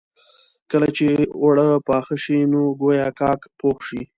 کله چې اوړه پاخه شي نو ګويا کاک پوخ شي.